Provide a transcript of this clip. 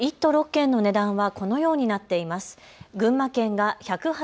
関東の１都６県の値段はこのようになっています。